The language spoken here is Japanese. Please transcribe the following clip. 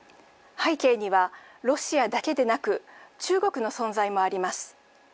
背景には、ロシアだけでなく、中国の存在もあります。